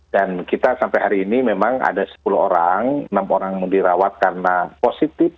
dan kita sampai hari ini memang ada sepuluh orang enam orang yang dirawat karena positif